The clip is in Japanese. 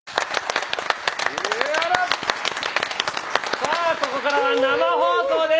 さあ、ここからは生放送です！